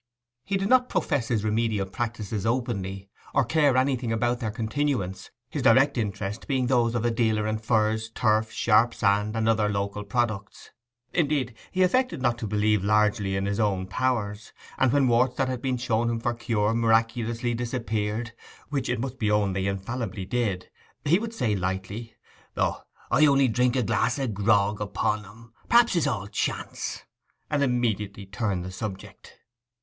He did not profess his remedial practices openly, or care anything about their continuance, his direct interests being those of a dealer in furze, turf, 'sharp sand,' and other local products. Indeed, he affected not to believe largely in his own powers, and when warts that had been shown him for cure miraculously disappeared—which it must be owned they infallibly did—he would say lightly, 'O, I only drink a glass of grog upon 'em—perhaps it's all chance,' and immediately turn the subject.